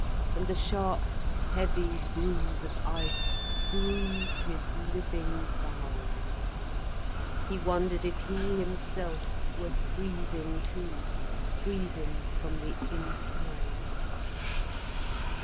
And the sharp, heavy bruise of ice bruised his living bowels. He wondered if he himself were freezing too, freezing from the inside.